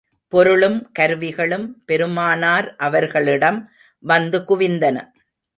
பொருளும், கருவிகளும் பெருமானார் அவர்களிடம் வந்து குவிந்தன.